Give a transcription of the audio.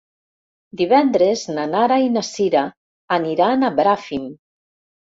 Divendres na Nara i na Sira aniran a Bràfim.